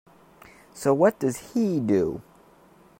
So what does he do?